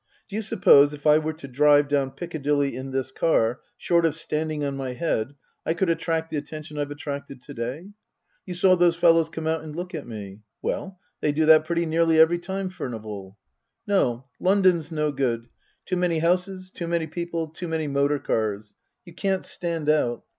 D'you suppose, if I were to drive down Piccadilly in this car short of standing on my head I could attract the attention I've attracted to day ? You saw those fellows come out and look at me ? Well they do that pretty nearly every time, Furnival. " No. London's no good. Too many houses too many people too many motor cars. You can't stand out.